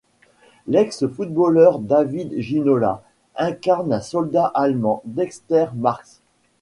L'ex footballeur David Ginola incarne un soldat allemand, Dexter Marx.